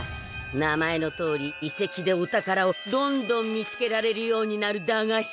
名前のとおり遺跡でお宝をどんどん見つけられるようになる駄菓子さ。